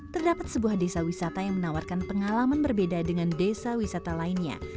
terdapat sebuah desa wisata yang menawarkan pengalaman berbeda dengan desa wisata lainnya